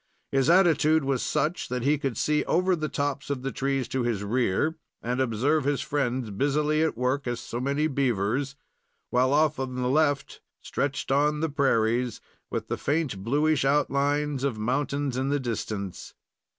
His attitude was such that he could see over the tops of the trees in his rear, and observe his friends busily at work as so many beavers, while off on the left, stretched on the prairies, with the faint bluish outlines of mountains in the distance.